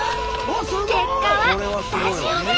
結果はスタジオで。